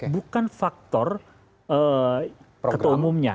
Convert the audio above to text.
bukan faktor ketua umumnya